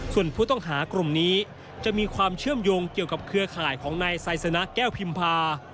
ส่วนผู้ต้องหากลุ่มนี้จะมีความเชื่อมโยงเกี่ยวกับเครือข่ายของนายไซสนะแก้วพิมพา